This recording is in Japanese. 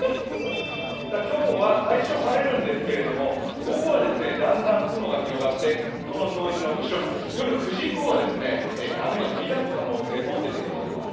今日は最初晴れるんですけども、午後はだんだん雲が広がってこの表示の後ろ夜９時以降は雨が降りだす可能性が出てきています。